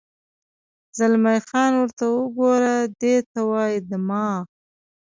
زلمی خان: ورته وګوره، دې ته وایي دماغ.